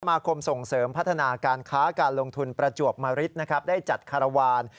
มาคมส่งเสริมพัฒนาการค้าการลงทุนประจวบมริตนะครับได้จัดคารวาล